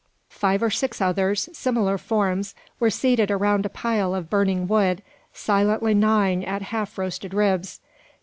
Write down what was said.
Five or six others, similar forms were seated around a pile of burning wood, silently gnawing at half roasted ribs.